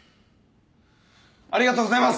ありがとうございます！